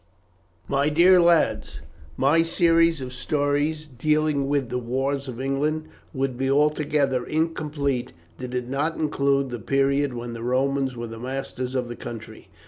MY DEAR LADS, My series of stories dealing with the wars of England would be altogether incomplete did it not include the period when the Romans were the masters of the country.